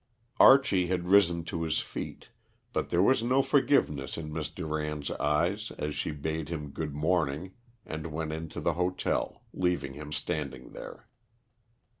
Archie had risen to his feet, but there was no forgiveness in Miss Durand's eyes as she bade him "Good morning," and went into the hotel, leaving him standing there.